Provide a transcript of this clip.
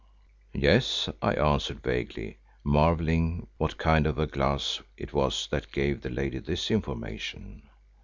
"Yes," I answered vaguely, marvelling what kind of a glass it was that gave the lady this information.